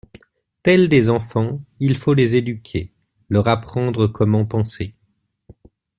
Tels des enfants, il faut les éduquer, leur apprendre comment penser.